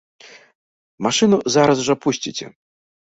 Машыну зараз жа пусціце.